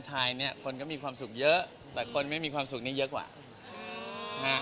ไทยเนี่ยคนก็มีความสุขเยอะแต่คนไม่มีความสุขนี้เยอะกว่า